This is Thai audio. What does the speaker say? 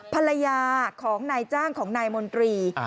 ภรรยาของนายจ้างของนายมนตรี